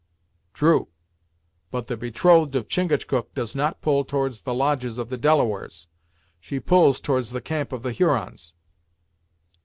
"True; but the betrothed of Chingachgook does not pull towards the lodges of the Delawares; she pulls towards the camp of the Hurons."